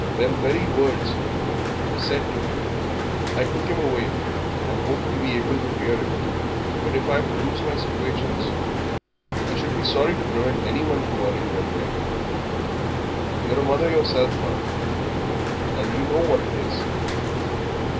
Them very words were said to me. I took him away and hoped to be able to rear him, but if I'm to lose my situations " "I should be sorry to prevent anyone from earning their bread " "You're a mother yourself, ma'am, and you know what it is."